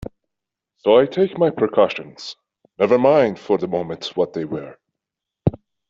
So I take my precautions — never mind for the moment what they were.